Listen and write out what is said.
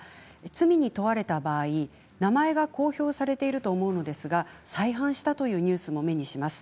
罪に問われた場合名前が公表されていると思うのですが再犯したというニュースも目にします。